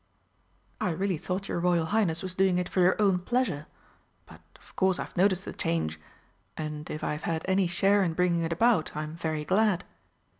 "I really thought your Royal Highness was doing it for your own pleasure. But of course I've noticed the change, and if I've had any share in bringing it about, I'm very glad."